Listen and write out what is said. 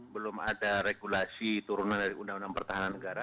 belum ada regulasi turunan dari undang undang pertahanan negara